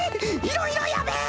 いろいろやべぇ！